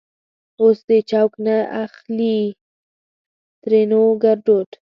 اوس دې چوک نه اخليں؛ ترينو ګړدود